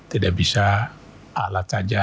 tidak bisa alat saja